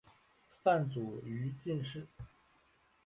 范祖禹进士。